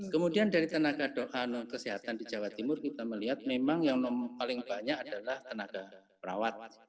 kemudian dari tenaga kesehatan di jawa timur kita melihat memang yang paling banyak adalah tenaga perawat